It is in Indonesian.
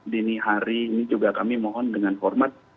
dini hari ini juga kami mohon dengan hormat